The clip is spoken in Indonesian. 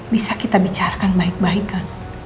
bisa kita bicarakan baik baikan